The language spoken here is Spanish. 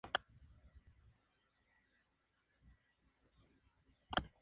Juega de delantero y su equipo actual es el Universidad Autónoma.